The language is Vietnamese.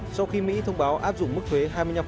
sau khi mỹ thông báo áp dụng mức thuế hai mươi năm